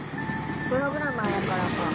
プログラマーやからか。